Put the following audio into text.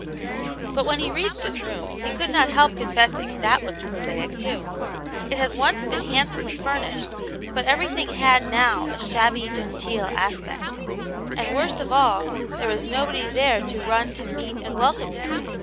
But when he reached his room he could not help confessing that looked prosaic, too. It had once been hrjidsomely furnished, but everything had now a shabby genteel aspect ; and worst of all, there was nobody there to run to meet and welcome him.